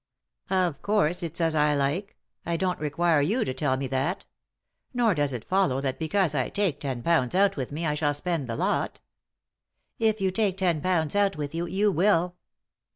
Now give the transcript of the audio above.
"Of course it's as I like; I don't require you to tell me that. Nor does it follow that because I take ten pounds out with me I shall spend the lot" "If you take ten pounds out with you, you will."